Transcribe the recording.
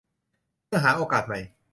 เพื่อหาโอกาสใหม่